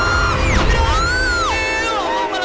malah gak sungguh mau bikin